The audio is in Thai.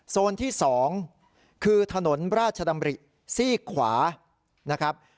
โซนที่๒คือถนนราชดำริซี่ขวานะครับ